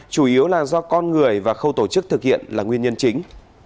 chủ yếu là do con người và khâu tổ chức thực hiện là nguyên nhân chính